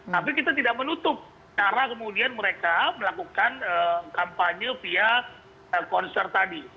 tapi kita tidak menutup cara kemudian mereka melakukan kampanye via konser tadi